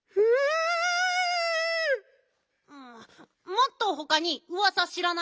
もっとほかにうわさしらないの？